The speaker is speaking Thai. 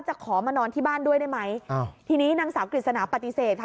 ขอมานอนที่บ้านด้วยได้ไหมอ้าวทีนี้นางสาวกฤษณาปฏิเสธค่ะ